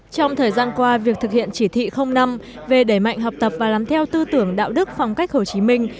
trong thời gian qua việc thực hiện chỉ thị năm về đẩy mạnh học tập và làm theo tư tưởng đạo đức phong cách hồ chí minh